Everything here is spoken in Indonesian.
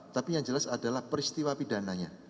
tapi yang jelas adalah peristiwa pidananya